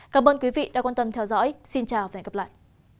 cảm ơn quý vị đã quan tâm theo dõi xin chào và hẹn gặp lại